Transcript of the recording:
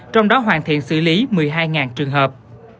trong đó hoàn thiện xử lý một mươi hai trường hợp